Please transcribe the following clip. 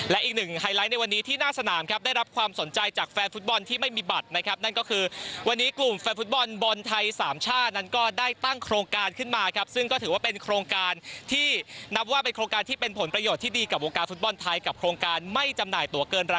และอีกหนึ่งไฮไลท์ในวันนี้ที่หน้าสนามครับได้รับความสนใจจากแฟนฟุตบอลที่ไม่มีบัตรนะครับนั่นก็คือวันนี้กลุ่มแฟนฟุตบอลบอลไทยสามชาตินั้นก็ได้ตั้งโครงการขึ้นมาครับซึ่งก็ถือว่าเป็นโครงการที่นับว่าเป็นโครงการที่เป็นผลประโยชน์ที่ดีกับวงการฟุตบอลไทยกับโครงการไม่จำหน่ายตัวเกินร